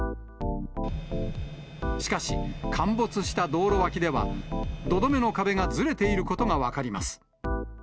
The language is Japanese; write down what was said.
しかし、陥没した道路脇では、土留めの壁がずれていることが分かります。